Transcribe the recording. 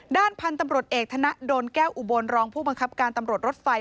ด้านพันธุ์ตำรวจเอกธนดลแก้วอุบลรองผู้บังคับการตำรวจรถไฟ